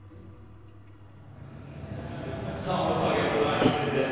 オールスターゲームの第２戦です。